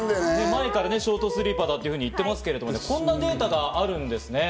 前からショートスリーパーだと言ってますけど、こんなデータがあるんですね。